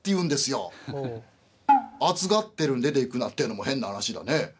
「暑がってるのに出ていくなっていうのも変な話だね。